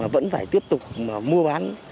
vẫn phải tiếp tục mua bán